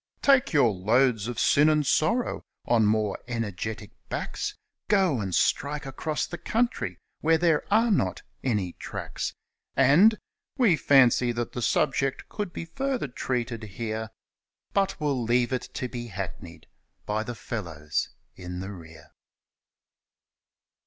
Take your loads of sin and sorrow on more energetic backs ! Go and strike across the country where there are not any tracks ! And we fancy that the subject could be further treated here, But we'll leave it to be hackneyed by the fellows in the rear.